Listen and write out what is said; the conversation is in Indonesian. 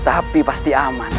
tapi pasti aman